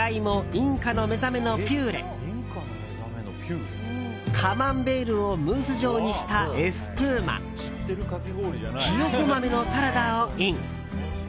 インカのめざめのピューレカマンベールをムース状にしたエスプーマヒヨコ豆のサラダをイン！